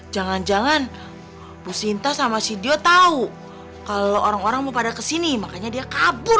jangan jangan bu sinta sama sidio tahu kalau orang orang mau pada kesini makanya dia kabur